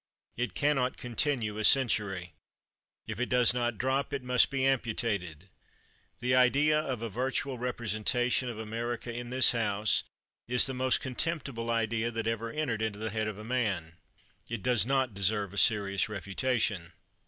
It can not continue a century. If it does not drop, it must be amputated. The idea of a virtual representation of America in this House is the most contemptible idea that ever 200 CHATHAM entered into the head of a man. It does not deserve a serious refutation.